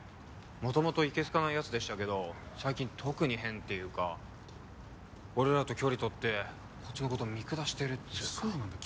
元々いけ好かないヤツでしたけど最近特に変っていうか俺らと距離取ってこっちのこと見下してるっていうかそうなんだよ